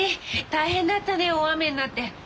大変だったね大雨になって。